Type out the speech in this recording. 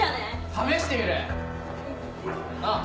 試してみる？なぁ。